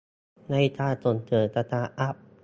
ในการส่งเสริมสตาร์ทอัพ